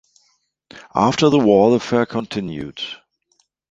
After the war, the fair continued.